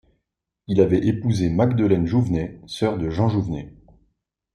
Il avait épousé Magdeleine Jouvenet, sœur de Jean Jouvenet.